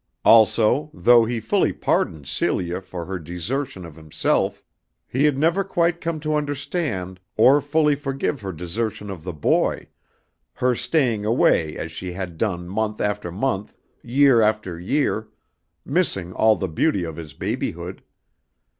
Also, though he fully pardoned Celia for her desertion of himself, he had never quite come to understand or fully forgive her desertion of the boy, her staying away as she had done month after month, year after year, missing all the beauty of his babyhood.